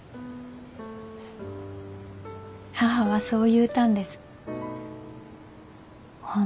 母はそう言うたんです。